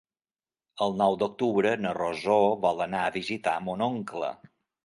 El nou d'octubre na Rosó vol anar a visitar mon oncle.